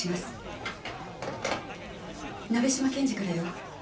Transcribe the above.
鍋島検事からよ。